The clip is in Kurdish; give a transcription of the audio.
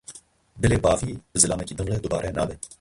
Dilê bavî bi zilamekî din re dubare nabe.